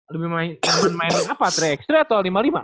lebih main apa tiga x tiga atau lima puluh lima